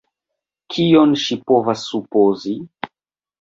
Kion ŝi povas supozi?